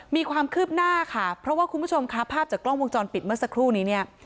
มีความคืบหน้าค่ะเพราะว่าคุณผู้ชมค่ะภาพจากกล้องวงจรปิดเมื่อสักครู่นี้เนี่ย